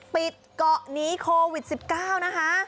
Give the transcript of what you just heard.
ปิดเกาะหนีโควิด๑๙นะคะ